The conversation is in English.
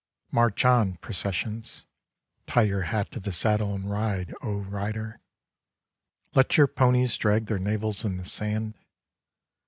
March on, processions. Tie your hat to the saddle and ride, O Rider. Let your ponies drag their navels in the sand.